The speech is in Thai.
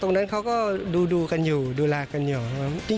อันนี้เขาก็ดูกันอยู่ดูแลกันอย่างเขาชอบพวกเรา